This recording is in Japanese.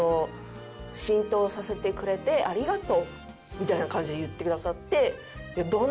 みたいな感じで言ってくださって。